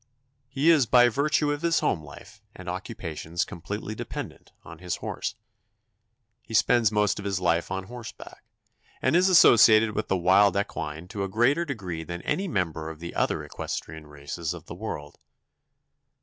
He is by virtue of his home life and occupations completely dependent on his horse. He spends most of his life on horseback, and is associated with the wild equine to a greater degree than any member of the other equestrian races of the world.